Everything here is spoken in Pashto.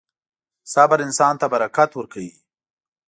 • صبر انسان ته برکت ورکوي.